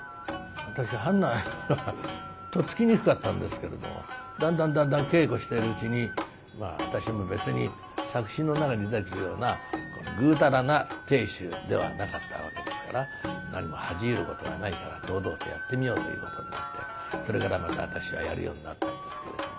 私とっつきにくかったんですけれどもだんだんだんだん稽古してるうちにまあ私も別に作品の中に出てくるようなぐうたらな亭主ではなかったわけですから何も恥じ入ることはないから堂々とやってみようということでもってそれからまた私はやるようになったんですけれども。